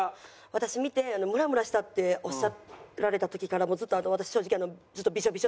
私を見てムラムラしたっておっしゃられた時からずっと私正直ずっとビショビショで。